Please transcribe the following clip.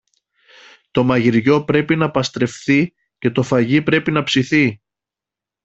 Το μαγειριό πρέπει να παστρευθεί και το φαγί πρέπει να ψηθεί.